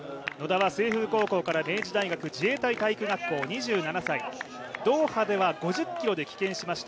野田は清風高校から明治大学、自衛隊体育学校２７歳ドーハでは５０ｋｍで棄権しました。